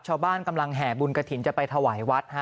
ชาวบ้านกำลังแห่บุญกระถิ่นจะไปถวายวัดฮะ